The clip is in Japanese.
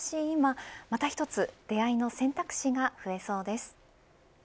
今また一つ出会いの選択肢が増えそうです。